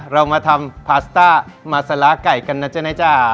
เรามาทำพาสต้ามาสลาไก่กันนะจ๊ะนะจ๊ะ